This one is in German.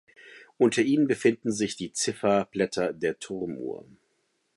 Unter ihnen befinden sich die Zifferblätter der Turmuhr.